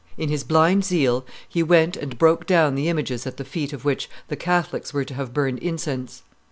In his blind zeal he went and broke down the images at the feet of which the Catholics were to have burned incense.